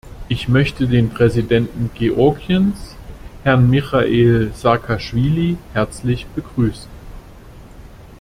Ich möchte den Präsidenten Georgiens, Herrn Michail Saakaschwili, herzlich begrüßen.